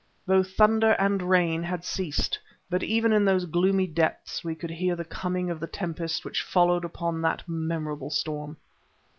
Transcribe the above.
Both thunder and rain had ceased; but even in those gloomy depths we could hear the coming of the tempest which followed upon that memorable storm.